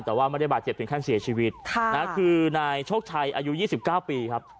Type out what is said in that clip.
แต่ว่าไม่ได้บาดเจ็บถึงแค่เกิดเสียชีวิตค่ะนะคือนายชกชัยอายุยี่สิบเก้าปีครับ